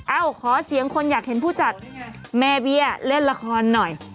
เอ้าขอเสียงคนอยากเห็นผู้จัดแม่เบี้ยเล่นละครหน่อย